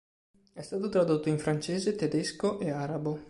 È stato tradotto in francese, tedesco e arabo.